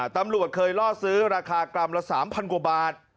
ตำรวจเคยล่อซื้อราคากรัมละ๓๐๐กว่าบาท